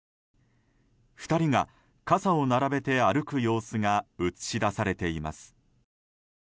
２人が傘を並べて歩く様子が映し出されています。